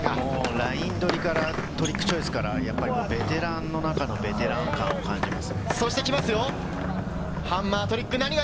ライン取りからトリックチョイスから、ベテランの中のベテラン感を感じます。